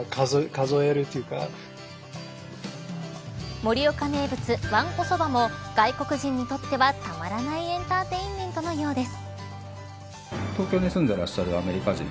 盛岡名物、わんこそばも外国人にとってはたまらないエンターテインメントのようです。